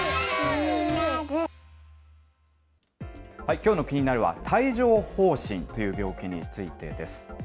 きょうのキニナル！は、帯状ほう疹という病気についてです。